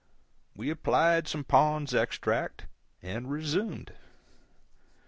We applied some Pond's Extract, and resumed.